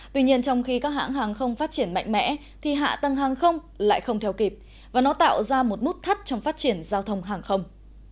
tuy nhiên trong khi các hãng hàng không phát triển mạnh mẽ thì hạ tầng hàng không lại không theo kịp và nó tạo ra một nút thắt trong phát triển giao thông hàng không